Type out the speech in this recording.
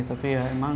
tapi ya emang